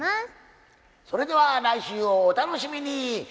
それでは来週をお楽しみに！